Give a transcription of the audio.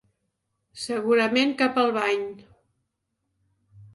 Segurament cap al bany.